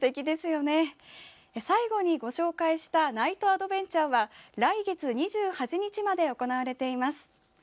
最後にご紹介したナイトアドベンチャーは来月２８日まで行われています。